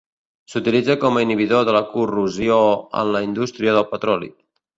S'utilitza com a inhibidor de la corrosió en la indústria del petroli.